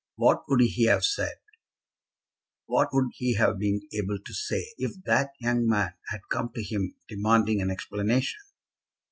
What would he have said, what would he have been able to say, if that young man had come to him demanding an explanation?